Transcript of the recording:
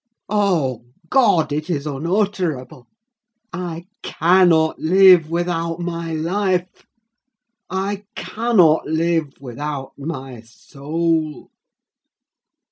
Oh, God! it is unutterable! I cannot live without my life! I cannot live without my soul!"